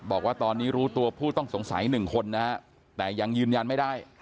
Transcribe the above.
บอกว่าตอนนี้รู้ตัวผู้ต้องสงสัยหนึ่งคนนะฮะแต่ยังยืนยันไม่ได้